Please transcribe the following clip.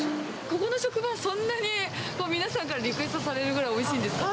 ここの食パン、そんなに皆さんからリクエストされるくらいおいしいんですか？